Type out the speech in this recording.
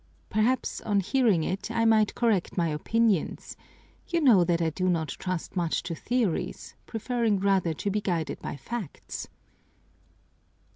"Perhaps on hearing it I might correct my opinions. You know that I do not trust much to theories, preferring rather to be guided by facts."